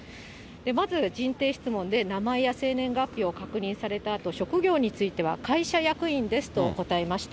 まず人定質問で名前や生年月日を確認されたあと、職業については、会社役員ですと答えました。